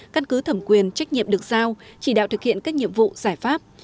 căn cứ thẩm quyền trách nhiệm được giao chỉ đạo thực hiện các nhiệm vụ giải pháp